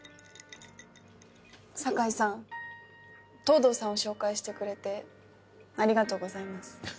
堺さん東堂さんを紹介してくれてありがとうございます。